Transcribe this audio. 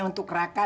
tante duduk aja